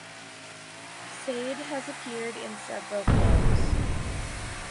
Sade has appeared in several films.